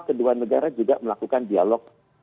kedua negara juga melakukan dialog